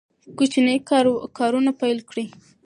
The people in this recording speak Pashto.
کوچني کارونه پیل کړئ.